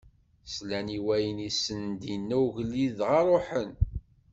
Slan i wayen i sen-d-inna ugellid dɣa ṛuḥen.